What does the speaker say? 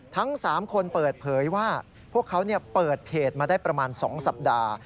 ทั้ง๓คนเปิดเผยว่าพวกเขาเปิดเพจมาได้ประมาณ๒สัปดาห์